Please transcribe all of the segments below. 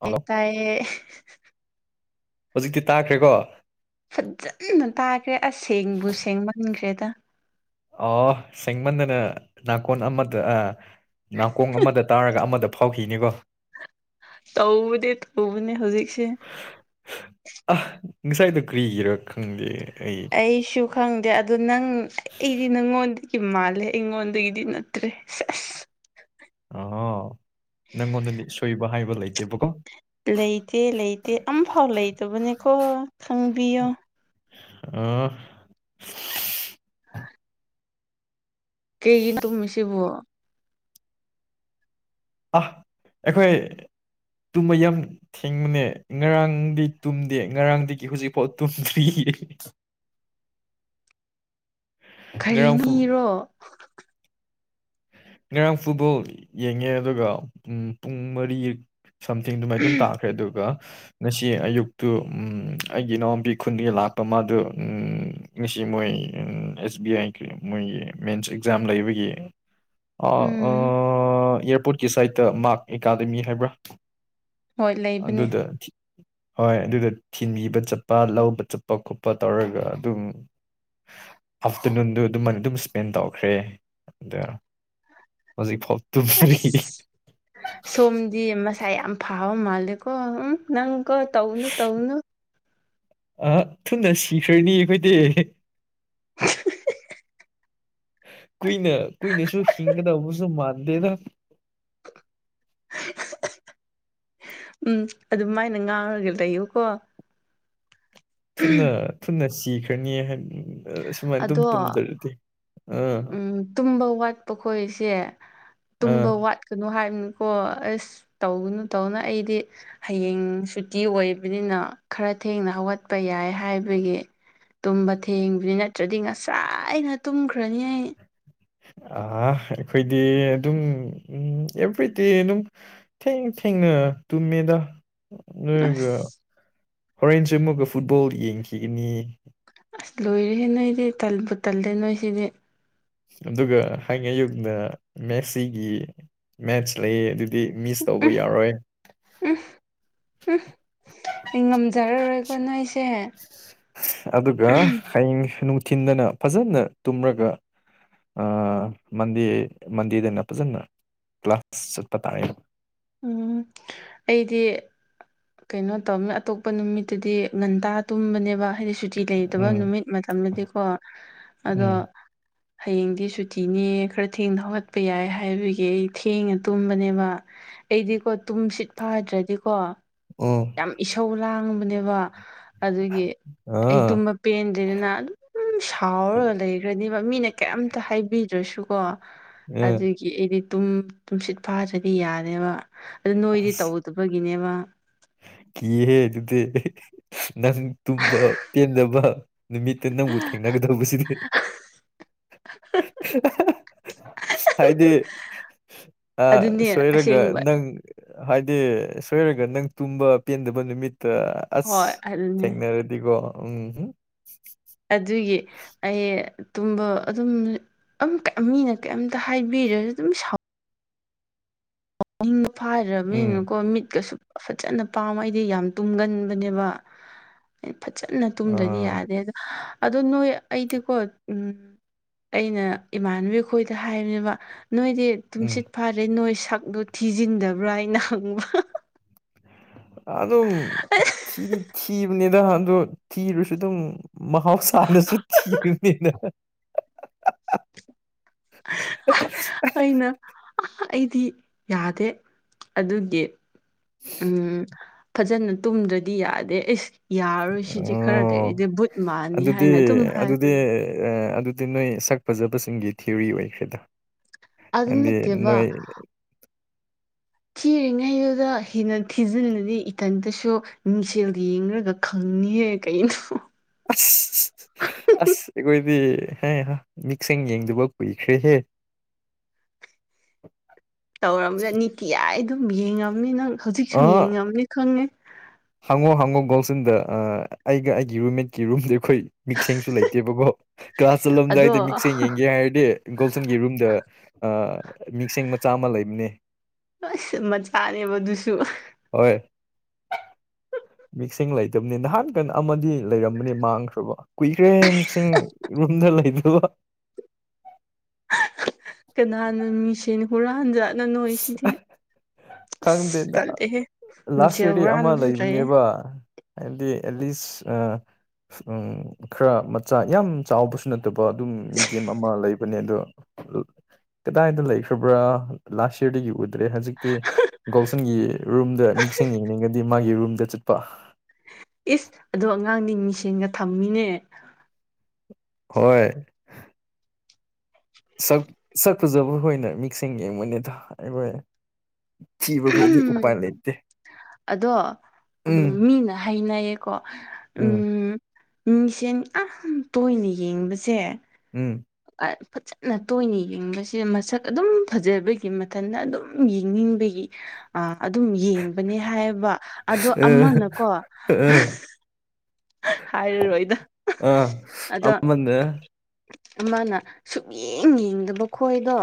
Hello ꯑꯦꯀꯌꯦ꯫ ꯍꯧꯖꯤꯛꯇꯤ ꯇꯥꯈ꯭ꯔꯦꯀꯣ꯫ ꯐꯖꯅ ꯇꯥꯈ꯭ꯔꯦ ꯑꯁꯦꯡꯕꯨ ꯁꯦꯡ ꯃꯟꯈ꯭ꯔꯦꯗ ꯑꯣ ꯁꯦꯡꯃꯟꯗꯅ ꯅꯥꯀꯣꯟ ꯑꯃꯗ ꯑ ꯅꯥꯀꯣꯡ ꯑꯃꯗ ꯇꯥꯔꯒ ꯑꯃꯗ ꯐꯥꯎꯈꯤꯅꯤꯀꯣ ꯇꯧꯕꯅꯦ ꯇꯧꯕꯅꯦ ꯍꯧꯖꯤꯛꯁꯦ ꯑ ꯉꯁꯥꯏꯗꯣ ꯀꯔꯤꯒꯤꯔꯥ ꯈꯪꯗꯦ ꯑꯩ ꯑꯩꯁꯨ ꯈꯪꯗꯦ ꯑꯗꯣ ꯅꯪ ꯑꯩꯗꯤ ꯅꯪꯉꯣꯟꯗꯤ ꯀ ꯃꯥꯜꯂꯦ ꯑꯩꯉꯣꯟꯗꯒꯤꯗꯤ ꯅꯠꯇ꯭ꯔꯦ ꯁ ꯑꯁ ꯑ ꯅꯪꯉꯣꯟꯗ ꯁꯣꯏꯕ ꯍꯥꯏꯕ ꯂꯩꯇꯦꯕꯀꯣ ꯂꯩꯇꯦ ꯂꯩꯇꯦ ꯑꯃꯝꯐꯥꯎ ꯂꯩꯇꯕꯅꯦꯀꯣ ꯈꯪꯕꯤꯌꯣ ꯑ ꯀꯩꯒꯤ ꯇꯨꯝꯃꯤꯁꯤꯕꯨ꯫ ꯑ ꯑꯩꯈꯣꯏ ꯇꯨꯝꯃ ꯌꯥꯝ꯫ ꯊꯦꯡꯕꯅꯦ ꯉꯔꯥꯡꯗꯤ ꯇꯨꯝꯗꯦ ꯉꯔꯥꯡꯗꯒꯤ ꯍꯧꯖꯤꯛꯐꯥꯎ ꯇꯨꯝꯗ꯭ꯔꯤ꯫ ꯉꯔꯥꯡ ꯐꯨ ꯈꯔꯤꯅꯤꯔꯣ꯫ ꯉꯔꯥꯡ ꯐꯨꯠꯕꯣꯜ ꯌꯦꯡꯉꯦ ꯑꯗꯨꯒ ꯄꯨꯡ ꯃꯔꯤ꯫ ꯁꯝꯊꯤꯡꯗꯨꯃꯥꯏ ꯑꯗꯨꯝ ꯇꯥꯈ꯭ꯔꯦ ꯑꯗꯨꯒ꯫ ꯉꯁꯤ ꯑꯌꯨꯛꯇꯨ ꯑꯩꯒꯤ ꯏꯅꯥꯎꯄꯤ ꯈꯨꯟꯗꯒꯤ ꯂꯥꯛꯄ ꯃꯥꯗꯨ꯫ ꯉꯁꯤ ꯃꯣꯏ ꯑꯦꯁ ꯕꯤ ꯑꯥꯏ ꯃꯣꯏꯒꯤ ꯃꯦꯟꯁ ꯑꯦꯛꯖꯥꯝ ꯂꯩꯕꯒꯤ꯫ ꯎꯝ ꯏꯌꯥꯔꯄꯣꯔꯠꯀꯤ ꯁꯥꯏꯠꯇ ꯃꯥꯔꯛ ꯑꯦꯀꯥꯗꯃꯤ ꯍꯥꯏꯕ꯭ꯔꯥ꯫ ꯍꯣꯏ ꯂꯩꯕꯅꯦ ꯑꯗꯨꯗ꯫ ꯍꯣꯏ ꯑꯗꯨꯗ ꯊꯤꯟꯕꯤꯕ ꯆꯠꯄ ꯂꯧꯕ ꯆꯠꯄ ꯈꯣꯠꯄ ꯇꯧꯔꯒ ꯑꯗꯨꯝ꯫ ꯑꯥꯐꯇꯔꯅꯨꯟꯗꯨ ꯑꯗꯨ ꯑꯗꯨꯝ ꯏꯁꯄꯦꯟ ꯇꯧꯈ꯭ꯔꯦ꯫ ꯑꯗ ꯍꯧꯖꯤꯛ ꯐꯥꯎꯕ ꯇꯨ ꯐꯔꯤ ꯑꯁ ꯁꯣꯝꯗꯤ ꯃꯁꯥ ꯌꯥꯝ ꯐꯥꯕ ꯃꯥꯜꯂꯦꯀꯣ ꯎꯝ ꯅꯪꯀꯣ ꯇꯧꯅꯨ ꯇꯧꯅꯨ ꯑ ꯊꯨꯅ ꯁꯤꯈ꯭ꯔꯅꯤ ꯑꯩꯈꯣꯏꯗꯤ [inaudible] ꯀꯨꯏꯅ ꯀꯨꯏꯅꯁꯨ ꯍꯤꯡꯒꯗꯕꯁꯨ ꯃꯥꯟꯗꯦꯗ ꯎꯝ ꯑꯗꯨꯃꯥꯏꯅ ꯉꯥꯡꯔꯒ ꯂꯩꯌꯨꯀꯣ ꯊꯨꯅ ꯊꯨꯅ ꯁꯤꯈ꯭ꯔꯅꯤ ꯍꯥꯏ ꯁꯨꯃꯥꯏꯅ ꯑꯗꯨꯝ ꯑꯗꯣ ꯇꯨꯝꯗꯔꯗꯤ ꯑꯥ ꯎꯝ ꯇꯨꯝꯕ ꯋꯥꯠꯄ ꯈꯣꯏꯁꯦ ꯑꯥ ꯇꯨꯝꯕ ꯋꯥꯠ ꯀꯩꯅꯣ ꯍꯥꯏꯕꯅꯤꯀꯣ ꯑꯁ ꯇꯧꯒꯅꯨ ꯇꯧꯅ ꯑꯩꯗꯤ ꯍꯌꯦꯡ ꯁꯨꯇꯤ ꯑꯣꯏꯕꯅꯤꯅ ꯈꯔ ꯊꯦꯡꯅ ꯍꯧꯒꯠꯄ ꯌꯥꯏ ꯍꯥꯏꯕꯒꯤ ꯇꯨꯝꯕ ꯊꯦꯡꯕꯅꯤ ꯅꯠꯇ꯭ꯔꯗꯤ ꯉꯁꯥꯏ ꯑꯩꯅ ꯇꯨꯝꯈ꯭ꯔꯅꯤ ꯑꯩ ꯑ ꯑꯩꯈꯣꯏꯗꯤ ꯑꯗꯨꯝ ꯑꯦꯚ꯭ꯔꯤꯗꯦ ꯑꯗꯨꯝ ꯊꯦꯡ ꯊꯦꯡꯅ ꯇꯨꯝꯃꯦꯗ ꯅꯣꯏꯒ ꯑꯁ ꯍꯣꯔꯦꯟꯁꯦ ꯑꯃꯨꯛꯒ ꯐꯨꯠꯕꯣꯜ ꯌꯦꯡꯈꯤꯒꯅꯤ ꯑꯁ ꯂꯣꯏꯔꯁꯦ ꯅꯣꯏꯗꯤ ꯇꯜꯕꯨ ꯇꯜꯂꯦ ꯅꯣꯏ ꯁꯤꯗꯤ ꯑꯗꯨꯒ ꯍꯌꯦ ꯑꯌꯨꯗ ꯃꯦꯁꯤꯒꯤ ꯃꯦꯠꯆ ꯂꯩ ꯑꯗꯨ ꯗꯤ ꯃꯤꯁ ꯇꯧꯕ ꯎꯝ ꯌꯥꯔꯣꯏ ꯎꯝ ꯎꯝ ꯑꯩ ꯉꯝꯖꯔꯔꯣꯏꯀꯣ ꯅꯣꯏꯁꯦ ꯑꯗꯨꯒ ꯍꯌꯦꯡ ꯅꯨꯡꯊꯤꯤꯟꯗꯅ ꯐꯖꯅ ꯇꯨꯝꯔꯒ ꯃꯟꯗꯦ ꯃꯟꯗꯦꯗꯅ ꯐꯖꯅ ꯀ꯭ꯂꯥꯁ ꯆꯠꯄ ꯇꯥꯔꯦ ꯎꯝ ꯑꯩꯗꯤ ꯀꯩꯅꯣ ꯇꯧꯃꯦ ꯑꯇꯣꯞꯄ ꯅꯨꯃꯤꯠꯇꯗꯤ ꯉꯒꯟꯇꯥ ꯇꯨꯝꯕꯅꯦꯕ ꯍꯥꯏꯗꯤ ꯁꯨꯇꯤ ꯂꯩ ꯐꯠꯇꯕ ꯎꯝ ꯅꯨꯃꯤꯠ ꯃꯇꯝꯗꯗꯤꯀꯣ ꯑꯗꯣ ꯎꯝ ꯍꯌꯦꯡꯗꯤ ꯁꯨꯇꯤꯅꯦ ꯈꯔ ꯊꯦꯡꯅ ꯍꯧꯒꯠꯄ ꯌꯥꯏ ꯍꯥꯏꯕꯒꯤ ꯑꯩ ꯊꯦꯡꯅ ꯇꯨꯝꯕꯅꯦꯕ ꯑꯩꯗꯤꯀꯣ ꯇꯨꯝ ꯁꯤꯠ ꯐꯗ꯭ꯔꯗꯤꯀꯣ ꯑꯣ ꯌꯥꯝ ꯏꯁꯧ ꯂꯥꯡꯕꯅꯦꯕ ꯑꯗꯨꯒꯤ ꯑꯩ ꯑꯥ ꯇꯨꯝꯕ ꯄꯦꯟꯗꯦꯗꯅ ꯑꯗꯨꯝ ꯁꯥꯎꯔꯒ ꯂꯩꯈ꯭ꯔꯅꯦꯕ ꯃꯤꯅ ꯀꯔꯤꯝꯇ ꯍꯥꯏꯕꯤꯗ꯭ꯔꯁꯨꯀꯣ ꯑꯥ ꯑꯗꯨꯒꯤ ꯑꯩꯗꯤ ꯇ ꯇꯨꯝꯁꯤꯠ ꯐꯥꯗ꯭ꯔꯗꯤ ꯌꯥꯅꯦꯕ ꯑꯗꯨ ꯅꯣꯏꯗꯤ ꯇꯧ ꯑꯇꯣꯞꯄꯒꯤꯅꯦꯕ ꯀꯍꯦ ꯑꯗꯨꯗꯤ ꯅꯪ ꯇꯨꯝꯕ ꯄꯦꯟꯗꯕ ꯅꯨꯃꯤꯠꯇ ꯅꯪꯕꯨ ꯊꯦꯡꯅꯒꯗꯧꯕꯁꯤꯗꯤ ꯍꯥꯏꯗꯤ ꯑ ꯑꯗꯨꯅꯦ ꯁꯣꯏꯣꯏꯔꯒ ꯑꯁꯦꯡꯕ ꯅꯪ ꯍꯥꯏꯗꯤ ꯁꯣꯏꯔꯒ ꯅꯪ ꯇꯨꯝꯕ ꯄꯦꯟꯗꯕ ꯅꯨꯃꯤꯠꯇ ꯑꯁ ꯍꯣꯏ ꯑꯗꯨꯅꯦ ꯊꯦꯡꯅꯔꯗꯤꯀꯣ ꯎꯝ ꯑꯗꯨꯒꯤ ꯑꯩ ꯇꯨꯝꯕ ꯑꯗꯨꯝ ꯃꯤꯅ ꯀꯩꯝꯇ ꯍꯥꯏꯕꯤꯔꯁꯨ ꯑꯗꯨꯝ ꯁꯥꯎ ꯑꯗꯨ ꯎꯝ ꯐꯥꯏꯔꯕꯅꯤꯅꯀꯣ ꯃꯤꯠꯀꯁꯨ ꯐꯖꯅ ꯄꯥꯝꯃ ꯑꯩꯗꯤ ꯌꯥꯝ ꯇꯨꯝꯒꯟꯕꯅꯦꯕ ꯐꯖꯅ ꯇꯨꯝꯗ꯭ꯔꯗꯤ ꯑꯥ ꯌꯥꯗꯦ ꯑꯗꯣ ꯑꯗꯣ ꯅꯣꯏ ꯑꯩꯗꯤꯀꯣ ꯎꯝ ꯑꯩꯅ ꯏꯃꯥꯟꯅꯕꯤꯈꯣꯏꯗ ꯍꯥꯏꯕꯅꯦꯕ ꯅꯣꯏꯗꯤ ꯎꯝ ꯇꯨꯡꯁꯤꯠ ꯐꯥꯔꯦ ꯅꯣꯏ ꯁꯛꯇꯛꯇꯣ ꯊꯤꯖꯤꯟꯗꯕ꯭ꯔꯥ ꯍꯥꯏꯩꯅ ꯍꯪꯕ꯭ꯔ ꯑꯗꯨꯝ ꯊꯤꯗꯤ ꯊꯤꯕꯅꯤꯗ ꯑꯗꯣ ꯊꯤꯔꯨꯁꯨ ꯑꯗꯨꯝ ꯃꯍꯥꯎꯁꯥꯅꯁꯨ ꯊꯤꯅꯤꯅ [inaudible] [inaudible] ꯑ ꯑꯩꯗꯤ ꯌꯥꯗꯦ ꯑꯗꯨꯒꯤ ꯎꯝ ꯐꯖꯅ ꯇꯨꯝꯗ꯭ꯔꯗꯤ ꯌꯥꯗꯦ ꯑꯩꯁ ꯌꯥꯔꯣꯏ ꯁꯤꯗꯤ ꯈꯔꯗ ꯑꯣ ꯑꯩꯗꯤ ꯕꯨꯠ ꯃꯥꯜꯅꯤ ꯍꯥꯏꯅ ꯑꯗꯨꯝ ꯍꯥꯏꯕꯅꯤ ꯑꯗꯨ ꯑꯗꯨ ꯅꯣꯏ ꯁꯛ ꯐꯖꯕꯁꯤꯡꯒꯤ ꯊꯤꯑꯣꯔꯤ ꯑꯣꯏꯈ꯭ꯔꯦꯗ ꯑꯗꯨ ꯍꯥꯏꯗꯤ ꯅꯠꯇꯦꯕ ꯅꯣꯏ ꯊꯤꯔꯤꯉꯩꯗꯨꯗ ꯍꯦꯟꯅ ꯊꯤꯖꯤꯜꯂꯅꯤ ꯏꯊꯟꯇꯁꯨ ꯃꯤꯡꯁꯦꯜ ꯌꯦꯡꯔꯒ ꯈꯪꯉꯌꯦꯦ ꯀꯩꯅꯣ ꯑꯁ ꯑꯁ ꯑꯩꯈꯣꯏꯗꯤ ꯍꯦꯍꯥ ꯃꯤꯛꯁꯤꯡ ꯌꯦꯡꯗꯕ ꯀꯨꯏꯈ꯭ꯔꯦꯍꯦ ꯇꯧꯔꯝꯒꯅꯤ ꯀꯤꯌꯥꯏ ꯑꯗꯨꯝ ꯌꯦꯡꯉꯝꯅꯤ ꯅꯪ ꯍꯧꯖꯤꯛꯁꯨ ꯑ ꯌꯦꯡꯉꯝꯅꯤ ꯈꯪꯉꯦ ꯍꯪꯉꯣ ꯍꯪꯉꯣ ꯒꯣꯜꯁꯤꯟꯗ ꯑꯩꯒ ꯑꯩꯒꯤ ꯔꯨꯝꯃꯤꯠ꯫ ꯀꯤ ꯔꯨꯝꯗꯤ ꯑꯈꯣꯏ ꯃꯤꯛꯈꯦꯡꯁꯨ ꯂꯩꯇꯦꯕꯀꯣ ꯀ꯭ꯂꯥꯁ ꯑꯗꯣ ꯆꯠꯂꯝꯗꯥꯏꯗ ꯃꯤꯛ ꯁꯦꯡ ꯌꯦꯡꯒꯦ ꯍꯥꯏꯔꯗꯤ ꯒꯣꯜꯇꯟꯒꯤ ꯔꯨꯝꯗ ꯃꯤꯡꯁꯦꯡ ꯃꯆꯥ ꯑꯃ ꯂꯩꯕꯅꯦ ꯑꯁ ꯃꯆꯥꯅꯦꯕ ꯑꯗꯨꯁꯨ ꯍꯣꯏ ꯍ ꯃꯤꯛꯁꯤꯡ ꯂꯩꯇꯕꯅꯤ ꯅꯍꯥꯟ ꯀꯩꯅ ꯑꯃꯗꯤ ꯂꯩꯔꯝꯕꯅꯦ ꯃꯥꯡꯈ꯭ꯔꯕ ꯀꯨꯏꯈ꯭ꯔꯦꯍꯦ ꯃꯤꯛꯁꯤꯡ ꯌꯨꯝꯗ ꯂꯩꯇꯕ꯫ ꯀꯅꯥꯅꯣ ꯃꯤꯁꯦꯟ ꯍꯨꯔꯥꯟꯖꯥꯠꯅꯣ ꯅꯣꯏ ꯁꯤꯗꯤ꯫ ꯈꯪꯗꯦꯗ ꯂꯥꯁ ꯏꯌꯥꯔ ꯗꯤ ꯑꯃ ꯍꯨꯔꯥꯟꯕꯁꯨ ꯂꯩꯌꯦ ꯂꯩꯕꯅꯦꯕ꯫ ꯍꯥꯏꯗꯤ ꯑꯦꯠꯁ ꯑ ꯎ ꯈꯔ ꯃꯆꯥ ꯌꯥꯝ ꯆꯥꯎꯕꯁꯨ ꯅꯠꯇꯕ ꯑꯗꯨꯝ ꯃꯤꯗꯤꯦꯝ ꯑꯃ ꯂꯩꯕꯅꯦ ꯑꯗꯣ ꯀꯗꯥꯏꯗ ꯂꯩꯈ꯭ꯔꯕ꯭ꯔꯥ ꯂꯥꯁ ꯏꯌꯔꯗꯒꯤ ꯎꯗ꯭ꯔꯦ ꯍꯧꯖꯤꯛ꯫ ꯇꯤ ꯒꯣꯜꯁꯟꯒꯤ ꯔꯨꯝꯗ ꯃꯤꯛꯁꯤꯡ ꯌꯦꯡꯅꯤꯡꯉꯗꯤ ꯃꯥꯒꯤ ꯔꯨꯝꯗ ꯆꯠꯄ ꯏꯁ ꯑꯗꯣ ꯑꯉꯥꯡꯗꯤ ꯃꯤꯁꯦꯟꯒ ꯊꯝꯃꯤꯅꯦ ꯍꯣꯏ ꯁꯛ ꯁꯛꯐꯥꯖꯕ ꯍꯣꯏꯅ ꯃꯤꯁꯦꯟ ꯌꯦꯡꯕꯅꯦꯗ ꯑꯩꯈꯣꯏ꯫ ꯊꯤꯕ ꯈꯣꯏꯗꯤ ꯎꯄꯥꯏ ꯂꯩꯇꯦ꯫ ꯑꯗꯣ ꯎꯝ ꯃꯤꯅ ꯍꯅꯩꯌꯦꯀꯣ ꯎꯝ ꯃꯤꯡꯁꯦꯟ ꯑꯥꯝ ꯇꯣꯏꯅ ꯌꯦꯡꯕꯁꯦ ꯎꯝ꯫ ꯐꯖꯅ ꯇꯣꯏꯅ ꯌꯦꯡꯕꯁꯦ ꯃꯁꯛ ꯑꯗꯨꯝ ꯐꯖꯕꯒꯤ ꯃꯊꯟꯇ ꯑꯗꯨꯝ ꯌꯦꯡꯅꯤꯡꯕꯒꯤ꯫ ꯑ ꯑꯗꯨꯝ ꯌꯦꯡꯕꯅꯦ ꯍꯥꯏꯕ ꯑꯗꯣ ꯑ ꯑꯃꯅꯀꯣ ꯍꯥꯏꯔꯔꯣꯏꯗꯣ ꯑ ꯑꯗꯣ ꯑꯃꯅ ꯑꯃꯥꯅ ꯁꯨꯛ ꯌꯦꯡ ꯌꯦꯡꯗꯕ ꯈꯣꯏꯗꯣ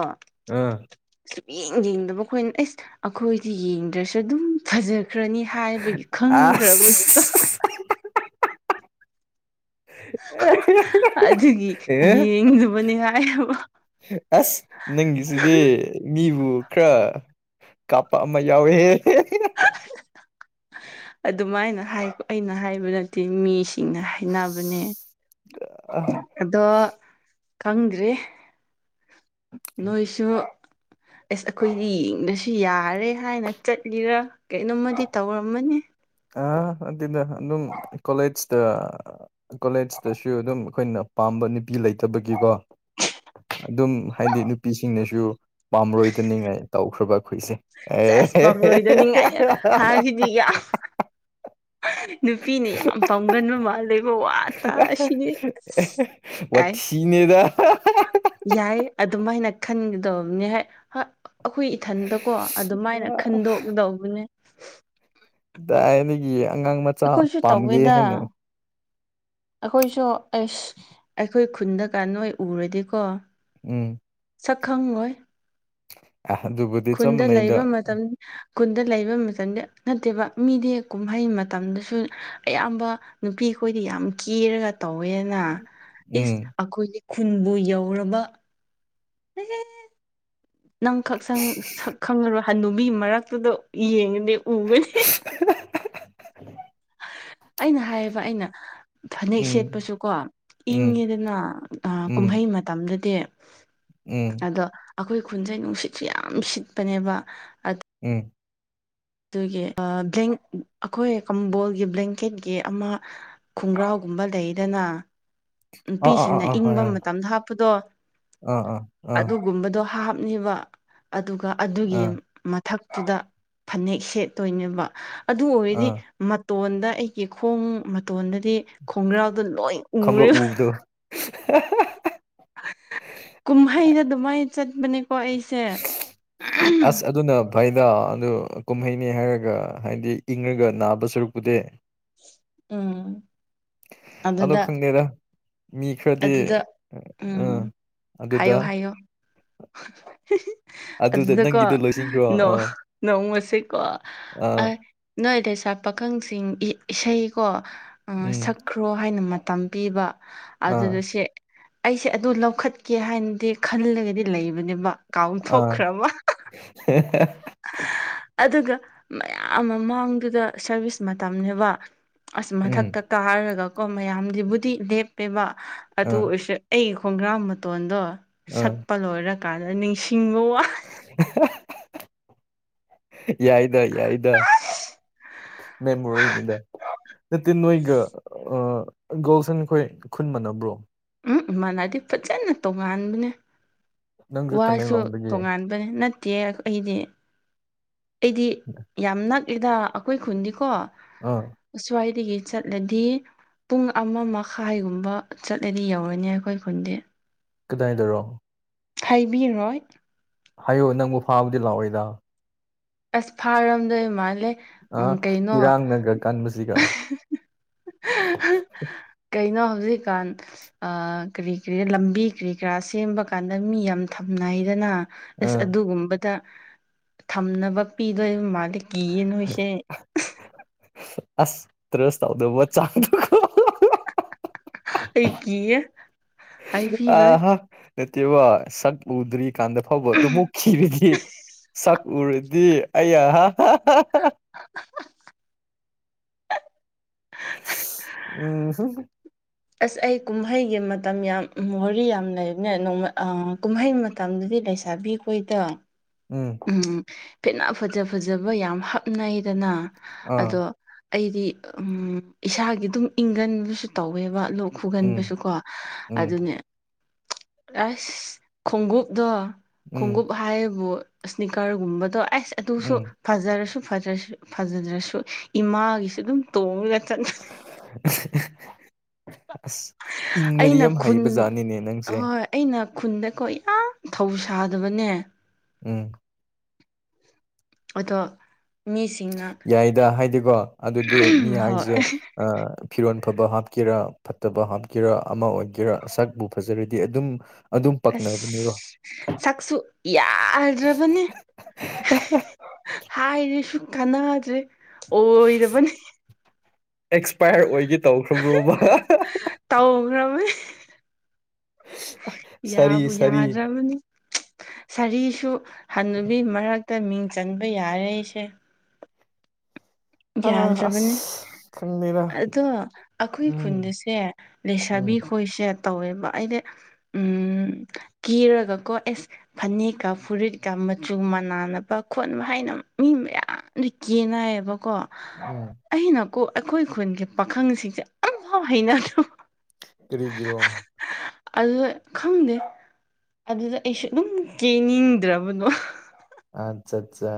ꯑꯥ꯫ ꯁꯨꯛꯌꯦꯡ ꯌꯦꯡꯗꯕ ꯑꯩꯈꯣꯏꯅ ꯑꯦꯁ ꯑꯩꯈꯣꯏꯗꯤ ꯌꯦꯡꯗ꯭ꯔꯁꯨ ꯑꯗꯨꯝ ꯐꯖꯈ꯭ꯔꯅꯤ ꯍꯥꯏꯕꯒꯤ ꯑꯁ ꯈꯪꯈ꯭ꯔꯕꯒꯤꯗꯣ꯫ ꯑꯗꯨꯒꯤ ꯑꯦ ꯌꯦꯡꯅꯕꯅꯤ ꯍꯥꯏꯕ ꯑꯁ ꯅꯪꯒꯤꯁꯤꯗꯤ꯫ ꯃꯤꯕꯨ ꯈꯔ ꯀꯥꯞꯄ ꯑꯃ ꯌꯥꯎꯋꯦ [inaudible] ꯑꯗꯨꯃꯥꯏꯅ ꯍꯥꯏ ꯑꯩꯅ ꯍꯥꯏꯕ ꯅꯠꯇꯦ ꯃꯤꯁꯤꯡꯅ ꯍꯥꯏꯅꯕꯅꯦ꯫ ꯌꯥ ꯑ ꯑꯗꯣ ꯈꯪꯗ꯭ꯔꯦ ꯅꯣꯏꯁꯨ ꯑꯁ ꯑꯩꯈꯣꯏꯗꯤ ꯌꯦꯡꯗ꯭ꯔꯁꯨ ꯌꯥꯔꯦ ꯍꯥꯏꯅ ꯆꯠꯂꯤꯔꯥ ꯀꯩꯅꯣꯝꯃꯗꯤ ꯇꯧꯔꯝꯃꯅꯤ ꯑ ꯑꯗꯨꯗ ꯑꯗꯨꯝ ꯀꯣꯂꯦꯖꯇ ꯀꯣꯂꯦꯖꯇꯁꯨ ꯑꯗꯨꯝ ꯈꯣꯏꯅ ꯄꯥꯝꯕ ꯅꯨꯄꯤ ꯂꯩꯇꯕꯒꯤꯀꯣ ꯑꯗꯨꯝ ꯍꯥꯏꯗꯤ ꯅꯨꯄꯤꯁꯤꯡꯅꯁꯨ ꯄꯥꯝꯔꯣꯏꯗꯅꯤꯡꯉꯥꯏ ꯇꯧꯈ꯭ꯔꯕ ꯑꯩꯈꯣꯏꯁꯦ ꯑꯦ ꯆꯁ ꯄꯥꯝꯔꯣꯏꯗꯅꯤꯡꯉꯥꯏꯅ ꯍꯥꯏꯈꯤꯗꯤ ꯌꯥꯝ ꯅꯨꯄꯤꯅ ꯌꯥꯝ ꯄꯝꯒꯟꯕ ꯃꯥꯜꯂꯦꯕ ꯋꯥ ꯇꯥꯁꯤꯗꯤ ꯋꯥ ꯌꯥꯏ ꯊꯤꯅꯦꯗ ꯌꯥꯏ ꯑꯗꯨꯝꯃꯥꯏꯅ ꯈꯟꯒꯗꯧꯕꯅꯤ ꯍꯥꯏ ꯑꯈꯣꯏ ꯏꯊꯟꯗꯀꯣ ꯑꯗꯨꯃꯥꯏꯅ ꯈꯟꯗꯣꯛꯒꯗꯧꯕꯅꯦ ꯀꯥꯗꯥꯥꯏꯗꯒꯤ ꯑꯉꯥꯡ ꯃꯆꯥ ꯑꯩꯈꯣꯏꯁꯨ ꯄꯥꯝꯒꯦ ꯇꯧꯋꯦꯗ ꯍꯥꯏꯅꯣ꯫ ꯑꯩꯈꯣꯏꯁꯨ ꯑꯁ ꯑꯩꯈꯣꯏ ꯈꯨꯟꯗ ꯀꯥꯟ ꯅꯣꯏ ꯎꯔꯗꯤꯀꯣ ꯎꯝ ꯁꯛ ꯈꯪꯪꯂꯣꯏ ꯑ ꯑꯗꯨꯕꯨꯗꯤ ꯆꯞ ꯃꯅꯩꯗ ꯈꯨꯨꯟꯗ ꯂꯩꯕ ꯃꯇꯝꯗ ꯅꯠꯇꯦꯕ ꯃꯤꯗꯤ ꯀꯨꯝꯍꯩ ꯃꯇꯝꯗꯁꯨ ꯑꯌꯥꯝꯕ ꯅꯨꯄꯤ ꯈꯣꯏꯗꯤ ꯌꯥꯝ ꯀꯦꯔꯒ ꯇꯧꯋꯦꯅ ꯏꯁ ꯎꯝ ꯑꯈꯣꯏꯒꯤ ꯈꯨꯟꯕꯨ ꯌꯧꯔꯕ ꯅꯪ ꯈꯪꯁꯪ ꯁꯛ ꯈꯪꯉꯔꯣꯏ꯫ ꯍꯟꯅ ꯅꯨꯕꯤ ꯃꯔꯛꯇꯨꯗ ꯌꯦꯡꯉꯅꯤ ꯎꯒꯅꯤ [inaudible] ꯑꯩꯅ ꯍꯥꯏꯌꯦꯕ ꯑꯩꯅ ꯐꯅꯦꯛ ꯎꯝ ꯁꯦꯠꯄꯁꯨ ꯀꯣ ꯎꯝ ꯏꯪꯉꯦꯗꯅ ꯑꯥ ꯎꯝ ꯀꯨꯝꯍꯩ ꯃꯇꯝꯗꯗꯤ ꯎꯝ ꯑꯗꯣ ꯑꯈꯣꯏ ꯈꯨꯟꯁꯦ ꯅꯨꯡꯁꯤꯠꯁꯨ ꯌꯥꯝ ꯁꯤꯠꯄꯅꯦꯕ ꯑꯗ ꯎꯝ ꯑꯗꯨꯒꯤ ꯑꯩꯈꯣꯏ ꯀꯝꯕꯣꯜꯒꯤ ꯕ꯭ꯂꯦꯡꯀꯦꯠꯀꯤ ꯑꯃ꯫ ꯈꯨꯡꯒ꯭ꯔꯥꯎꯒꯨꯝꯕ ꯂꯩꯗꯅ ꯑꯥ ꯑꯥ ꯑꯥ ꯅꯨꯄꯤꯁꯤꯡꯅ ꯑꯥ ꯍꯣꯏ ꯏꯪꯕ ꯍꯣꯏ ꯃꯇꯝꯗ ꯍꯥꯞꯄꯗꯣ ꯑꯥ ꯑꯥ ꯑꯥ ꯑꯗꯨ꯫ ꯒꯨꯝꯕꯗꯣ ꯍꯥꯞꯅꯤꯕ ꯑꯗꯨꯒ ꯑꯗꯨꯒꯤ ꯑꯥ ꯃꯊꯛꯇꯨꯗ ꯐꯅꯦꯛ ꯁꯦꯠꯇꯣꯏꯅꯦꯕ ꯑꯗꯨ ꯑꯣꯏꯔꯗꯤ ꯑꯥ ꯃꯇꯣꯟꯗ ꯑꯩꯒꯤ ꯈꯣꯡ ꯃꯇꯣꯟꯗꯗꯤ ꯈꯣꯡꯒ꯭ꯔꯥꯎꯗꯣ ꯂꯣꯏ ꯎꯔꯦ ꯈꯪꯂꯞ ꯎꯕꯗꯣ [unintelligible] ꯀꯨꯝꯍꯩ ꯆ ꯑꯗꯨꯃꯥꯏ ꯆꯠ ꯃꯅꯤ ꯑꯁ ꯑꯗꯨꯅ ꯚꯥꯏꯗ ꯑꯗꯨ ꯀꯨꯝꯍꯩꯅꯤ ꯍꯥꯏꯔꯒ ꯍꯥꯏꯗꯤ ꯏꯪꯉꯒ ꯅꯥꯕ ꯁꯨꯔꯨꯛꯄꯨꯗꯤ ꯎꯝ꯫ ꯑꯗꯣ ꯑꯗꯨꯗ ꯈꯪꯗꯦꯗ꯫ ꯃꯤ ꯈꯔꯗꯤ ꯑꯗꯨꯗ ꯑꯥ ꯎꯝ ꯑꯗꯨꯗ ꯍꯥꯏꯌꯣ ꯍꯥꯏꯌꯣ [inaudible] [inaudible] ꯑꯗꯨꯗ ꯑꯗꯨꯗꯀꯣ ꯅꯪꯒꯤꯗꯣ ꯂꯣꯏꯁꯤꯟꯈ꯭ꯔꯣ ꯅꯣꯡ ꯑꯥ ꯅꯣꯡꯃꯁꯦꯀꯣ ꯑ ꯑꯥ ꯅꯣꯏ ꯂꯩꯁꯥ ꯄꯥꯈꯪꯁꯤꯡ ꯏꯁꯩꯀꯣꯛ ꯎꯝ ꯁꯛ ꯈ꯭ꯔꯣ ꯍꯥꯏꯅ ꯃꯇꯝ ꯄꯤꯕ ꯑꯥ ꯑꯗꯨꯗ ꯁꯦ ꯑꯩꯁꯦ ꯑꯗꯨ ꯂꯧꯈꯠꯀꯦ ꯍꯥꯏꯅꯗꯤ ꯈꯜꯂꯒꯗꯤ ꯂꯩꯕꯅꯦꯕ ꯑꯥ ꯀꯥꯎꯟꯊꯣꯛꯈ꯭ꯔꯕ꯫ [unintelligible] ꯑꯗꯨꯒ ꯃꯌꯥꯝ ꯃꯥꯡꯗꯨꯗ ꯁꯔꯚꯤꯁ ꯃꯇꯝꯅꯦꯕ ꯑꯁ ꯎꯝ ꯃꯊꯛꯛꯇ ꯀꯥꯔꯒꯀꯣ ꯃꯌꯥꯝ ꯗꯤꯕꯨꯇꯤ ꯂꯦꯞꯄꯦꯕ ꯑꯗꯨ ꯑꯥ ꯑꯣꯏꯁꯨ ꯑꯩꯒꯤ ꯈꯣꯡꯒ꯭ꯔꯥ ꯃꯇꯣꯟꯗꯣ ꯑꯥ ꯁꯠꯄ ꯂꯣꯏꯔꯀꯥꯟꯗ ꯅꯤꯡꯁꯤꯡꯕ ꯋꯥ ꯌꯥꯏꯗ ꯌꯥꯏꯗ ꯃꯦꯃꯣꯔꯤꯅꯤꯗ ꯅꯠꯇ ꯅꯣꯣꯏꯒ ꯑ ꯒꯣꯜꯁꯟ ꯈꯣꯏ ꯈꯨꯟ ꯃꯅꯕ꯭ꯔꯣ꯫ ꯎꯝ ꯃꯥꯟꯅꯗꯦ ꯐꯖꯅ ꯇꯣꯉꯥꯟꯕꯅꯦ ꯅꯪꯁꯨ ꯋꯥꯁꯨ ꯇꯃꯦꯡꯂꯣꯡꯗꯒꯤ ꯇꯣꯉꯥꯟꯕ ꯅꯠꯇꯤ ꯌꯦ ꯑꯩꯗꯤ ꯑꯩꯗꯤ ꯌꯥꯝ ꯅꯛꯏꯗ ꯑꯩꯈꯣꯏ ꯈꯨꯟꯗꯤꯀꯣ꯫ ꯑ ꯑꯁ꯭ꯋꯥꯏꯗꯒꯤ ꯆꯠꯂꯗꯤ ꯄꯨꯡ ꯑꯃ ꯃꯈꯥꯏꯒꯨꯝꯕ ꯆꯠꯂꯗꯤ ꯌꯧꯔꯅꯤ ꯑꯩꯈꯣꯏ ꯈꯨꯟꯗꯤ ꯀꯗꯥꯏꯗꯔꯣ꯫ ꯍꯥꯏꯕꯤꯔꯣꯏ ꯍꯥꯏꯌꯣ ꯅꯪꯕꯨ ꯐꯥꯕꯗꯤ ꯂꯥꯛꯑꯣꯏꯗ ꯑꯁ ꯐꯥꯔꯝꯗꯩ ꯃꯥꯜꯂꯦ꯫ ꯑ ꯎꯝ ꯀꯩꯅꯣ ꯏꯔꯥꯡꯅꯒ ꯀꯟꯕꯁꯤꯒ [unintelligible] ꯀꯩꯅꯣ ꯍꯧꯖꯤꯛꯀꯥꯟ ꯀꯔꯤ ꯀꯔꯤ ꯂꯝꯕꯤ ꯀꯔꯤ ꯀꯔꯥ ꯁꯦꯝꯕ ꯀꯥꯟꯗ ꯃꯤ ꯌꯥꯝ ꯊꯝꯅꯩꯗꯅ ꯑꯁ ꯑꯥ ꯑꯗꯨꯒꯨꯝꯕꯗ ꯊꯝꯅꯕ ꯄꯤꯗꯣꯏꯕ ꯃꯥꯗ ꯀꯤꯌꯦ ꯅꯣꯏꯁꯦ ꯑꯁ ꯇ꯭ꯔꯁ ꯇꯧꯗꯕ ꯆꯥꯡꯗ ꯑꯩ ꯀꯤꯌꯦ ꯍꯥꯏꯕꯤꯔꯣꯏ [inaudible] ꯎꯗ꯭ꯔꯤꯀꯥꯟꯗ ꯐꯥꯎꯕ ꯑꯗꯨ ꯃꯨꯛꯈꯤꯔꯗꯤ ꯁꯛ ꯎꯔꯗꯤ ꯑꯩ ꯑꯍ [unintelligible] ꯎꯝ ꯑꯁ ꯑꯩ ꯀꯨꯝꯍꯩꯒꯤ ꯃꯇꯝ ꯌꯥꯝ ꯃꯔꯤ ꯌꯥꯝ ꯂꯩꯕꯅꯦ ꯅꯣꯡꯃꯩ ꯀꯨꯝꯍꯩ ꯃꯇꯝꯗꯨꯗꯤ ꯂꯩꯁꯥꯕꯤꯨ ꯑꯩꯈꯣꯏꯗ ꯎꯝ ꯎꯝ ꯐꯤꯠꯅ ꯐꯖ ꯐꯖꯕ ꯌꯥꯝ ꯍꯥꯞꯅꯩꯗꯅ ꯑꯥ ꯑꯗꯣ ꯑꯩꯗꯤ ꯎꯝ ꯏꯁꯥꯒꯤ ꯑꯗꯨꯝ ꯏꯪꯒꯟꯕꯁꯨ ꯇꯧꯋꯦꯕ ꯎꯝ ꯈꯨꯒꯟꯕꯁꯨꯀꯣ ꯎꯝ ꯑꯗꯨꯅꯦ ꯑꯁ ꯈꯣꯡꯎꯞꯗꯣ ꯎꯝ ꯈꯣꯡꯎꯞ ꯍꯥꯏꯌꯦꯕꯨ ꯏꯁꯅꯤꯛꯀꯔꯒꯨꯝꯕꯗꯣ ꯑꯁ ꯑꯗꯨꯁꯨ ꯎꯝ ꯐꯖꯔꯁꯨ ꯐꯖꯔꯁꯨ ꯐꯖꯗ꯭ꯔꯁꯨ ꯏꯃꯥꯒꯤꯁꯨ ꯑꯗꯨꯝ ꯇꯣꯡꯉꯒ ꯆꯠ [inaudible] ꯑꯁ ꯏꯪꯕꯗꯤ ꯑꯩꯅ ꯌꯥꯝ ꯈꯨꯟ ꯍꯩꯕ ꯖꯥꯠꯅꯤꯅꯦ ꯅꯪꯁꯦ ꯑꯍꯣꯏ ꯑꯩꯅ ꯈꯨꯟꯗꯀꯣ ꯌꯥꯝ ꯊꯧ ꯁꯥꯗꯕꯅꯦ ꯎꯝ ꯑꯗꯣ ꯃꯤꯁꯤꯡꯅ ꯌꯥꯏꯗ ꯍꯥꯏꯗꯤꯀꯣ ꯑꯗꯨꯗ ꯃꯤ ꯍꯣꯏ ꯍꯥꯏꯁꯦ ꯐꯤꯔꯣꯜ ꯐꯕ ꯍꯥꯞꯀꯦꯔꯥ ꯐꯠꯇꯕ ꯍꯥꯞꯀꯦꯔꯥ ꯑꯃ ꯑꯣꯏꯒꯦꯔꯥ ꯁꯛꯄꯨ ꯐꯖꯔꯗꯤ ꯑꯗꯨꯝ ꯑꯗꯨꯝ ꯑꯁ ꯄꯛꯅꯕꯅꯦꯕ ꯁꯛꯁꯨ ꯌꯥꯗ꯭ꯔꯕꯅꯦ ꯍꯥꯏꯔꯤ ꯁꯨ ꯀꯥꯟꯅꯗ꯭ꯔꯦ ꯑꯣꯏꯗꯕꯅꯦ ꯑꯦꯛꯁꯄꯥꯌꯔ ꯑꯣꯏꯒꯦ ꯇꯧꯈ꯭ꯔꯕ꯭ꯔꯣꯕ [unintelligible] ꯇꯧꯈ꯭ꯔꯕꯅꯤ ꯁꯥꯔꯤ ꯌꯥꯕꯨ ꯁꯥꯔꯤ ꯌꯥꯗ꯭ꯔꯕꯅꯤ ꯁꯥꯔꯤꯁꯨ ꯍꯟꯅꯨꯕꯤ ꯃꯔꯛꯇ ꯃꯤꯡ ꯆꯟꯕ ꯌꯥꯔꯦꯁꯦ ꯑ ꯌꯥꯗ꯭ꯔꯕꯅꯦ ꯑꯁ ꯈꯪꯗꯦꯗ ꯑꯗꯣ ꯑꯩꯈꯣꯏ ꯎꯝ ꯈꯨꯟꯗꯁꯦ ꯂꯩꯁꯥꯕꯤ ꯎꯝ ꯈꯣꯏꯁꯦ ꯇꯧꯋꯦꯕ ꯑꯩꯗꯤ ꯎꯝ ꯀꯤꯔꯒꯀꯣ ꯑꯦꯁ ꯐꯅꯦꯛꯀ ꯐꯨꯔꯤꯠꯀ ꯃꯆꯨ ꯃꯅꯥꯅꯕ ꯈꯣꯠꯅꯕ ꯍꯥꯏꯅ ꯃꯤ ꯃꯌꯥꯝꯅ ꯀꯦꯅꯌꯦꯕ ꯀꯣ [unintelligible] ꯑꯩꯅꯀꯣꯛ ꯑꯩꯈꯣꯏ ꯈꯨꯟꯒꯤ ꯄꯥꯈꯪꯁꯤꯡꯁꯦ ꯑꯝꯐꯥꯎ ꯍꯩꯅꯗ꯭ꯔꯨ ꯀꯔꯤꯒ꯭ꯔꯣ ꯑꯗꯨꯗ ꯈꯪꯗꯦ ꯑꯗꯨꯗ ꯑꯩꯁꯨ ꯑꯗꯨꯝ ꯀꯦꯅꯤꯡꯗ꯭ꯔꯕꯅꯣ ꯑꯠꯆꯥ ꯑꯠꯆꯥ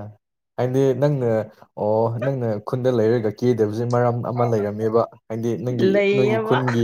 ꯍꯥꯏꯗꯤ ꯅꯪꯅ ꯑꯣ ꯅꯪꯅ ꯈꯨꯟꯗ ꯂꯩꯔꯒ ꯀꯦꯗꯕꯁꯦ ꯃꯔꯝ ꯑꯃ ꯂꯩꯔꯝꯃꯦꯕ ꯍꯥꯏꯗꯤ ꯅꯪꯒꯤ ꯅꯣꯏꯒꯤ ꯂꯩꯌꯦꯕ ꯈꯨꯟꯒꯤ